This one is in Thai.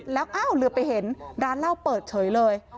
แล้วอ้าวเหลือไปเห็นร้านเหล้าเปิดเฉยเลย